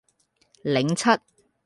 檸七